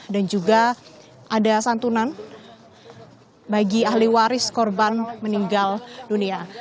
dan juga ada santunan bagi ahli waris korban meninggal dunia